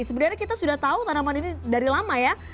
sebenarnya kita sudah tahu tanaman ini dari lama ya